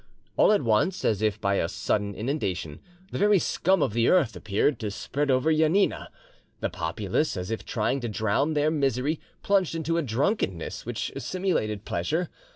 All at once, as if by a sudden inundation, the very scum of the earth appeared to spread over Janina. The populace, as if trying to drown their misery, plunged into a drunkenness which simulated pleasure.